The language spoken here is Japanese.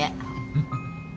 フフフ